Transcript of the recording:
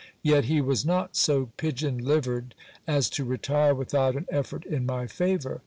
Yet he was not so pigeon livered as to retire without an effort in my favour.